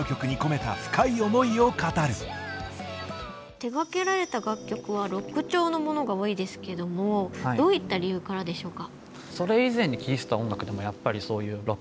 手がけられた楽曲はロック調のものが多いですけどもどういった理由からでしょうか？